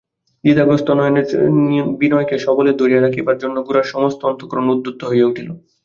দ্বিধাগ্রস্ত বিনয়কে সবলে ধরিয়া রাখিবার জন্য গোরার সমস্ত অন্তঃকরণ উদ্যত হইয়া উঠিল।